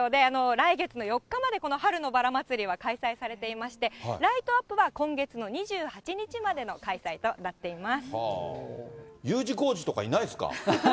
来月の４日までこの春のバラまつりは、開催されていまして、ライトアップは今月の２８日までの開催となっています。